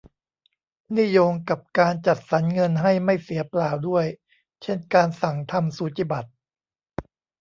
นี่โยงกับการจัดสรรเงินให้ไม่เสียเปล่าด้วย เช่นการสั่งทำสูจิบัตร